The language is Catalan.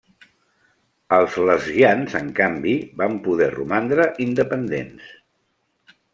Els lesguians en canvi van poder romandre independents.